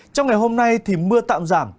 trong ngày hôm nay thì mưa tạm giảm